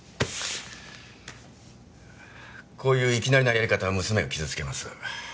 こういういきなりなやり方は娘を傷つけます